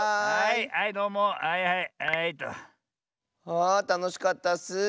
あたのしかったッス。